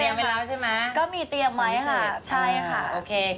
เตียงไปแล้วใช่ไหมก็มีเตียงไหมค่ะใช่ค่ะโอเค